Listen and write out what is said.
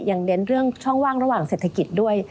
เน้นเรื่องช่องว่างระหว่างเศรษฐกิจด้วย